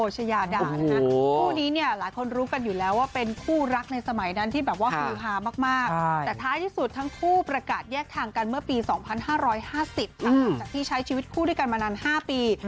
จากที่ใช้ชีวิตคู่ด้วยกันมานาน๕ปี